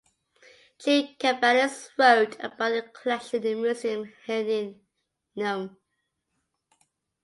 Jean Cabanis wrote about the collection in Museum Heineanum.